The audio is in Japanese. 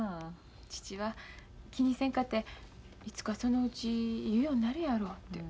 父は「気にせんかていつかそのうち言うようになるやろ」て言うてますけど。